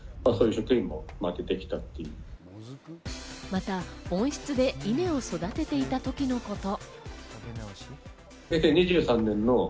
また温室で稲を育てていた時のこと。